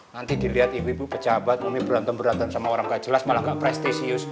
nanti dilihat ibu ibu pejabat ini berantem beratan sama orang gak jelas malah nggak prestisius